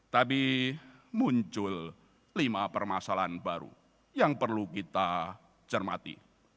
tapi muncul lima permasalahan baru yang perlu kita cermati